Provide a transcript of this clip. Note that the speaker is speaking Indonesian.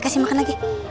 kasih makan lagi